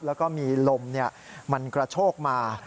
แล้วก็มีลมมันกระโชกมา